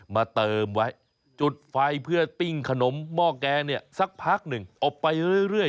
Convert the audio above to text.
มาเติมไว้จุดไฟเพื่อปิ้งขนมหม้อแกงเนี่ยสักพักหนึ่งอบไปเรื่อย